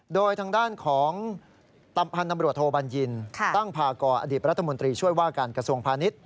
โดยทางด้านของพันธุ์ตำรวจโทบัญญินตั้งพากรอดีตรัฐมนตรีช่วยว่าการกระทรวงพาณิชย